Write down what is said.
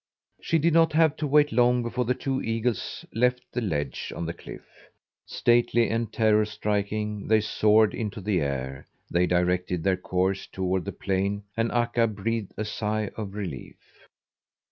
She did not have to wait long before the two eagles left the ledge on the cliff. Stately and terror striking they soared into the air. They directed their course toward the plain, and Akka breathed a sigh of relief.